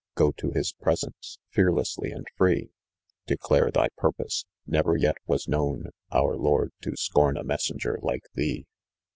Go to his presence, fearlessly and free, Declare thy purpose : never yet was known Our lord to scorn a messenger like thee.'